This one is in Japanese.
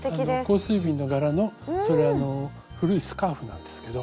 香水瓶の柄のそれあの古いスカーフなんですけど